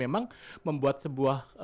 dan memang membuat sebuah performance